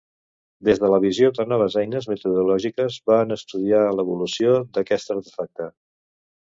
Des de la visió de noves eines metodològiques van estudiar l'evolució d'aquest artefacte.